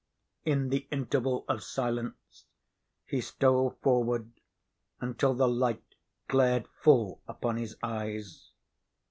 In the interval of silence he stole forward until the light glared full upon his eyes.